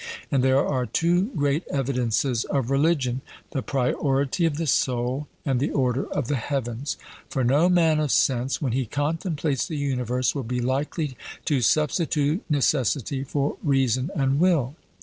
And there are two great evidences of religion the priority of the soul and the order of the heavens. For no man of sense, when he contemplates the universe, will be likely to substitute necessity for reason and will.